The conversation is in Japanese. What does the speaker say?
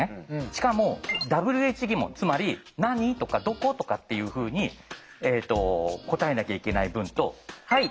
しかもＷＨ疑問つまり「何？」とか「どこ？」とかっていうふうに答えなきゃいけない文と「はい」